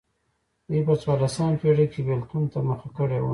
دوی په څوارلسمه پېړۍ کې بېلتون ته مخه کړې وه.